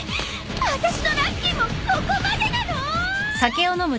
あたしのラッキーもここまでなの！？